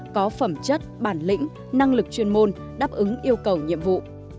có phẩm chất bản lĩnh năng lực chuyên môn đáp ứng yêu cầu nhiệm vụ